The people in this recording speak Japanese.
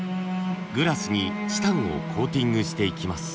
グラスにチタンをコーティングしていきます。